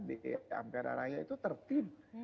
di ampera raya itu tertib